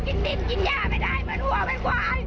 โปสเตอร์โหมโตรงของทางพักเพื่อไทยก่อนนะครับ